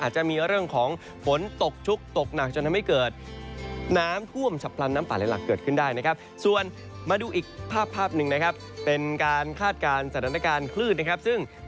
จนถึงตอนกลาง